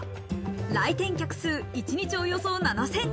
来店客数、一日およそ７０００人。